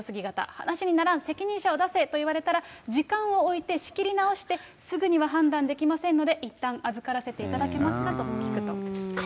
話にならん、責任者を出せと言われたら、時間を置いて、仕切り直してすぐには判断できませんので、いったん預からせていただけますかと聞くと。